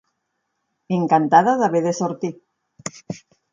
Encantada d'haver de sortir.